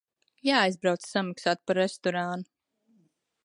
Jāaizbrauc samaksāt par restorānu.